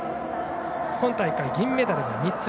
今大会、銀メダル３つ。